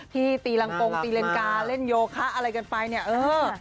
ที่ตีลังโปรงตีเลนกาเล่นโยคะอะไรกันไปเนี่ย